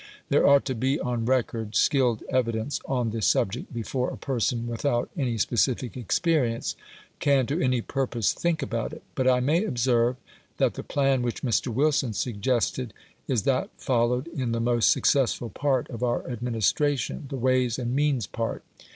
There ought to be on record skilled evidence on the subject before a person without any specific experience can to any purpose think about it. But I may observe that the plan which Mr. Wilson suggested is that followed in the most successful part of our administration, the "Ways and Means" part.